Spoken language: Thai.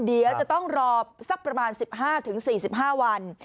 เดี๋ยวจะต้องรอสักประมาณ๑๕๔๕วัน